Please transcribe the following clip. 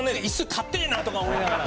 硬えなとか思いながら。